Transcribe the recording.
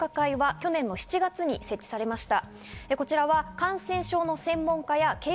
去年７月に設置されました。